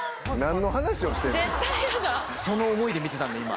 その思いで見てたんで今。